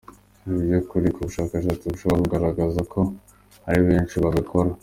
Ni iby’ukuri ko ubushakashatsi bushobora kugaragaza ko hari benshi babikora.